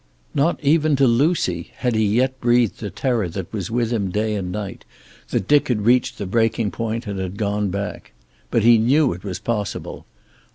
Not even to Lucy had he yet breathed the terror that was with him day and night, that Dick had reached the breaking point and had gone back. But he knew it was possible.